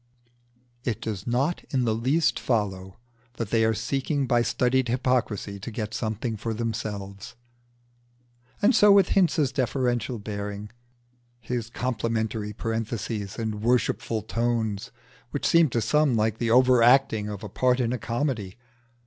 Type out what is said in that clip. It does not in the least follow that they are seeking by studied hypocrisy to get something for themselves. And so with Hinze's deferential bearing, complimentary parentheses, and worshipful tones, which seem to some like the over acting of a part in a comedy.